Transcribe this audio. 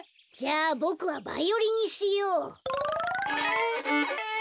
じゃあボクはバイオリンにしよう。